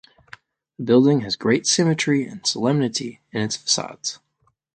The building has great symmetry and solemnity in its facades.